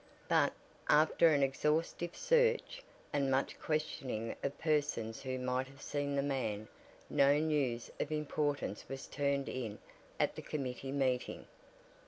But, after an exhaustive search, and much questioning of persons who might have seen the man, no news of importance was turned in at the committee meeting.